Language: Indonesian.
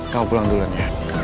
kau pulang dulu aja